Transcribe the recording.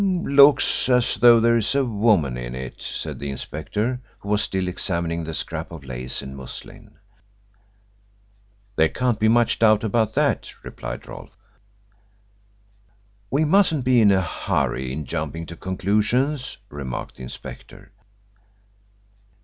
"Looks as though there is a woman in it," said the inspector, who was still examining the scrap of lace and muslin. "There can't be much doubt about that," replied Rolfe. "We mustn't be in a hurry in jumping at conclusions," remarked the inspector.